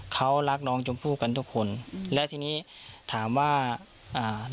เขารักน้องชมพู่กันทุกคนอืมแล้วทีนี้ถามว่าอ่า